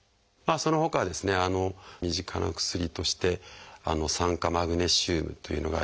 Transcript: そのほかはですね身近な薬として「酸化マグネシウム」というのがあります。